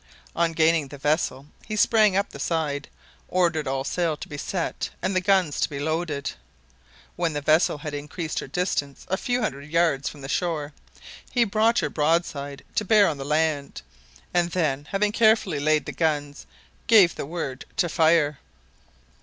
On gaining the vessel, he sprang up the side, ordered all sail to be set and the guns to be loaded. When the vessel had increased her distance a few hundred yards from the shore, he brought her broadside to bear on the land, and then, having carefully laid the guns, gave the word to fire.